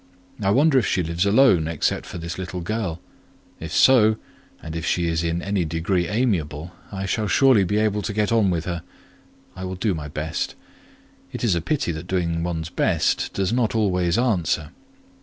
I wonder if she lives alone except this little girl; if so, and if she is in any degree amiable, I shall surely be able to get on with her; I will do my best; it is a pity that doing one's best does not always answer.